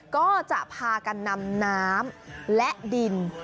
ก็จะพากันนำน้ำและดิน